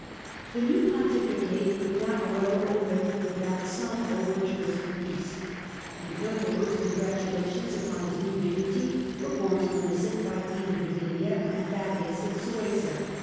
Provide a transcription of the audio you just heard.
The new pontificate could not, however, open without some overtures for peace. The Emperor's congratulations upon his new dignity were borne to Innocent by Peter de Vinea and Thaddaeus of Suessa.